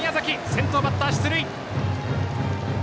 先頭バッター、出塁。